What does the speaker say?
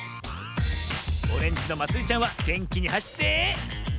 オレンジのまつりちゃんはげんきにはしって。